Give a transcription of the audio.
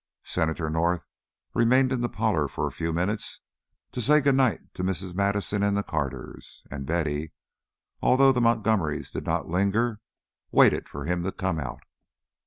Senator North remained in the parlor for a few moments to say good night to Mrs. Madison and the Carters, and Betty, although the Montgomerys did not linger, waited for him to come out.